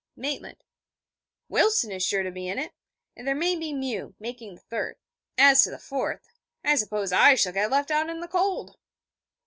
Maitland: 'Wilson is sure to be in it, and there may be Mew, making the third. As to the fourth, I suppose I shall get left out in the cold.'